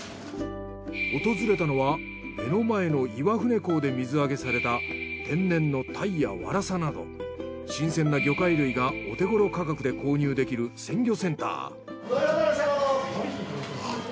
訪れたのは目の前の岩船港で水揚げされた天然のタイやワラサなど新鮮な魚介類がお手ごろ価格で購入できる鮮魚センター。